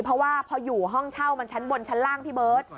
เพราะว่าพออยู่ห้องเช่ามันชั้นบนชั้นล่างพี่เบิร์ต